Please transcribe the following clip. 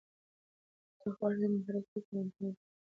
که ته غواړې نوی مهارت زده کړې نو انټرنیټ وکاروه.